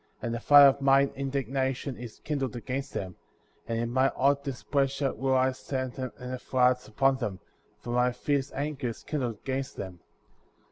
And the fire of mine indignation is kindled against them ; and in my hot displeasure will I send in the floods upon them, for my fierce anger is kindled against them.